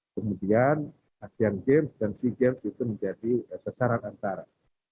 kemudian asean games dan sea games itu menjadi sasaran antara